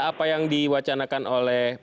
apa yang diwacanakan oleh